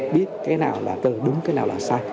biết cái nào là từ đúng cái nào là sai